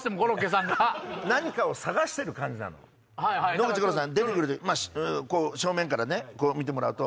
野口五郎さん出てくる時正面から見てもらうと。